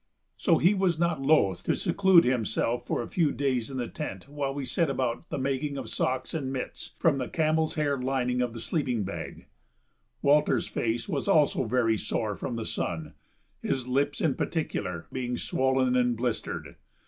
So he was not loath to seclude himself for a few days in the tent while we set about the making of socks and mitts from the camel's hair lining of the sleeping bag. Walter's face was also very sore from the sun, his lips in particular being swollen and blistered.